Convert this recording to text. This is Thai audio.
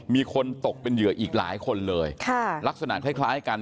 มีคนตกเป็นเหยื่ออีกหลายคนเลยค่ะลักษณะคล้ายคล้ายกัน